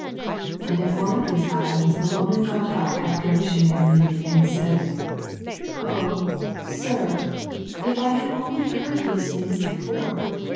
And at one of these islands a woman got up after a missionary meeting, and said, " Oh, sir, if I had only heard these things before